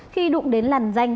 khi đụng đến làn danh